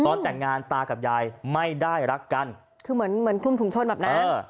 ตอนแต่งงานตากับยายไม่ได้รักกันคือเหมือนเหมือนคลุมถุงชนแบบนั้นเออ